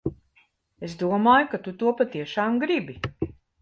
Es domāju, ka tu to patiešām gribi.